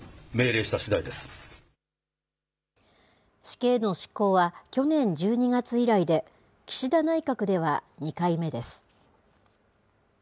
死刑の執行は、去年１２月以来で、岸田内閣では２回目です。